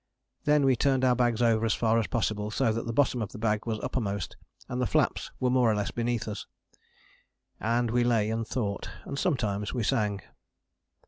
Then we turned our bags over as far as possible, so that the bottom of the bag was uppermost and the flaps were more or less beneath us. And we lay and thought, and sometimes we sang.